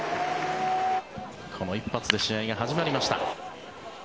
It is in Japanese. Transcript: この一発で試合が始まりました。